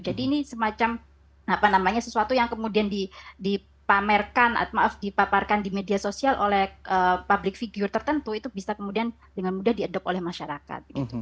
jadi ini semacam apa namanya sesuatu yang kemudian dipamerkan maaf dipaparkan di media sosial oleh public figure tertentu itu bisa kemudian dengan mudah di adopt oleh masyarakat